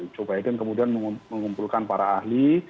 joe biden kemudian mengumpulkan para ahli